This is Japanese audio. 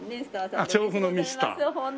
あっ調布のミスター。